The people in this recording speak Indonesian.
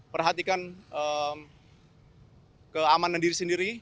perhatikan keamanan diri sendiri